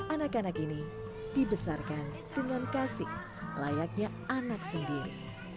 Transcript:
anak anak ini dibesarkan dengan kasih layaknya anak sendiri